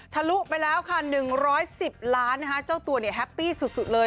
ทะลุไปแล้วค่ะ๑๑๐ล้านเจ้าตัวแฮปปี้สุดเลย